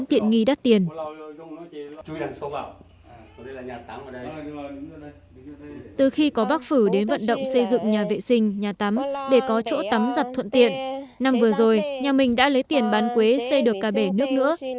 từ khi có bác phử đến vận động xây dựng nhà vệ sinh nhà tắm để có chỗ tắm giặt thuận tiện năm vừa rồi nhà mình đã lấy tiền bán quế xây được cà bể nước nữa